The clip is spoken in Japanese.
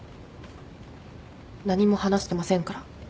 何も話してませんから。